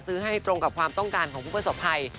ซื้อให้ตรงกับความต้องการของคุณเพลินศพไทย